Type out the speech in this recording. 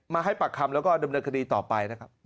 ให้ปากคำแล้วก็ดำเนินคดีต่อไปนะครับ